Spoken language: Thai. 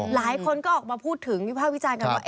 หลายคนก็ออกมาพูดถึงวิภาควิจารณ์กันว่า